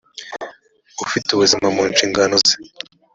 ufite ubuzima mu nshingano ze